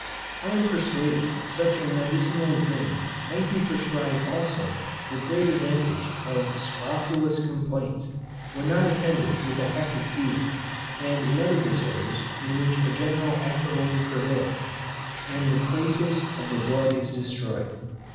I am persuaded such a medicinal drink might be prescribed also with great advantage in SCROPHULOUS COMPLAINTS, when not attended with a hectic fever; and in other disorders in which a general acrimony prevails, and the crasis of the blood is destroyed.